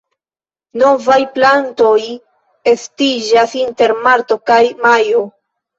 Novaj plantoj estiĝas inter marto kaj majo.